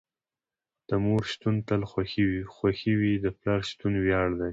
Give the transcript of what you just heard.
د مور شتون تل خوښې وي، د پلار شتون وياړ دي.